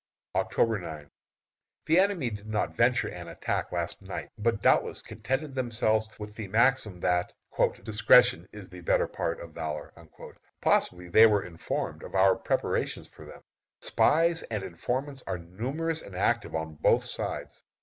October 9. The enemy did not venture an attack last night, but doubtless contented themselves with the maxim that "discretion is the better part of valor." Possibly they were informed of our preparation for them. Spies and informants are numerous and active on both sides.